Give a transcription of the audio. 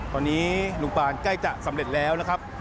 ตอนนี้ลุงปานใกล้จะสำเร็จแล้วนะครับ